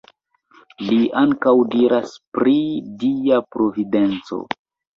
Li ankaŭ diras pri Dia Providenco.